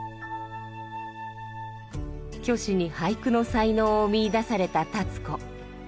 虚子に俳句の才能を見いだされた立子。